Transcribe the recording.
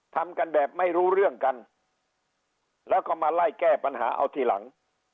ทำกันแบบไม่รู้เรื่องกันแล้วก็มาไล่แก้ปัญหาเอาทีหลัง